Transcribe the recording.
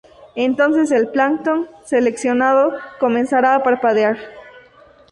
Entonces el plancton seleccionado comenzará a parpadear.